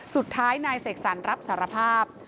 สุดท้ายนายเสกสรรรับสารภาพ